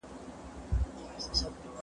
ښه عمل تل ګټور پایله ورکوي